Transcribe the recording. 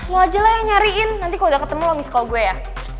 lo ajalah yang nyariin nanti kalau udah ketemu lo miss call gue ya